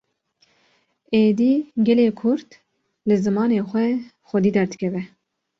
Êdî gelê Kurd, li zimanê xwe xwedî derdikeve